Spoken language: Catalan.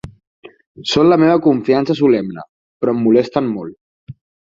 Són la meva confiança solemne, però em molesten molt.